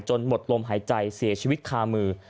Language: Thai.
หมดลมหายใจเสียชีวิตคามือ